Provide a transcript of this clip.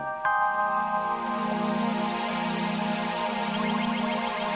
papi tahu kadaan kamu